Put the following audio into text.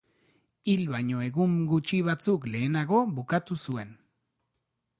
Hil baino egun gutxi batzuk lehenago bukatu zuen.